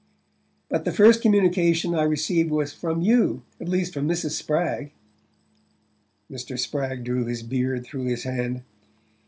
"But the first communication I received was from you at least from Mrs. Spragg." Mr. Spragg drew his beard through his hand.